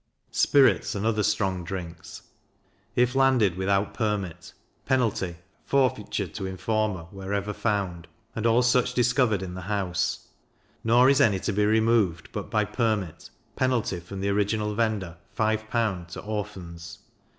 Spirits, and other strong Drinks. If landed without permit, penalty, forfeiture to informer wherever found, and all such discovered in the house; nor is any to be removed but by permit, penalty from the original vender 5L. to Orphans.